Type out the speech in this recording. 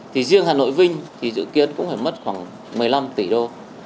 thì riêng hà nội vinh thì dự kiến cũng phải mất khoảng một mươi năm tỷ đô